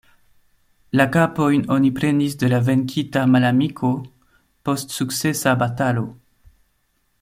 La kapojn oni prenis de la venkita malamiko, post sukcesa batalo.